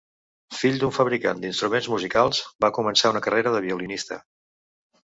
Fill d'un fabricant d'instruments musicals, va començar una carrera de violinista.